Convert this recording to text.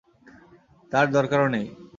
তার দরকারও নেই।